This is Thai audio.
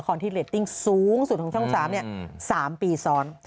คอนที่เรทติ้งสูงสุดของช่องสามเนี่ยสามปีซ้อน